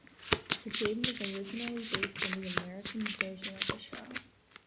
The game was originally based on the American version of the show.